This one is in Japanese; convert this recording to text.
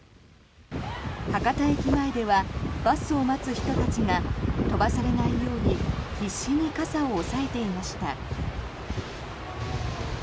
博多駅前ではバスを待つ人たちが飛ばされないように必死に傘を押さえていました。